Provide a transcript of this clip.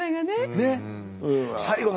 ねっ。